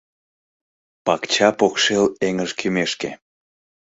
Пакча покшел эҥыж кӱмешке